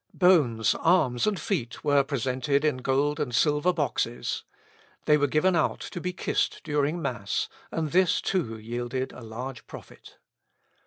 Bones, arms, and feet, were presented in gold and silver boxes. They were given out to be kissed during mass, and this too yielded a large profit."